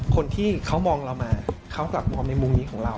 คนที่เขามองเรามาเขากลับมองในมุมนี้ของเรา